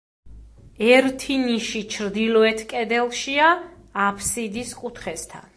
ერთი ნიში ჩრდილოეთ კედელშია, აფსიდის კუთხესთან.